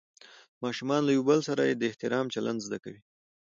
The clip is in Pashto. ماشومان له یو بل سره د احترام چلند زده کوي